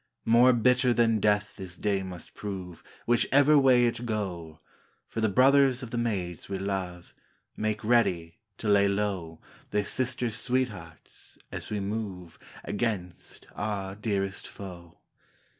More bitter than death this day must prove Whichever way it go, 156 Charles I For the brothers of the maids we love Make ready to lay low Their sisters' sweethearts, as we move Against our dearest foe.